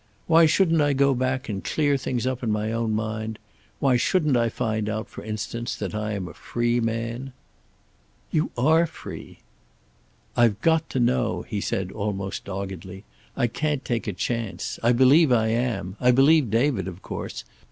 "Why shouldn't I go back and clear things up in my own mind? Why shouldn't I find out, for instance, that I am a free man?" "You are free." "I've got to know," he said, almost doggedly. "I can't take a chance. I believe I am. I believe David, of course.